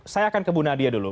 saya akan ke bu nadia dulu